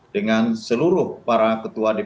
dengan seluruh para ketua dan ketua